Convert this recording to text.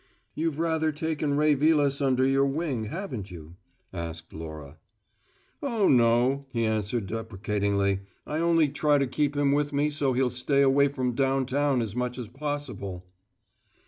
"You've rather taken Ray Vilas under your wing, haven't you?" asked Laura. "Oh, no," he answered deprecatingly. "I only try to keep him with me so he'll stay away from downtown as much as possible."